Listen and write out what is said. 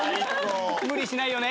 無理しないよね。